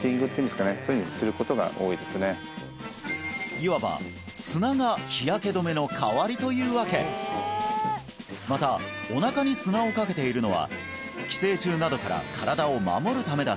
いわば砂が日焼け止めの代わりというわけまたおなかに砂をかけているのは寄生虫などから身体を守るためだ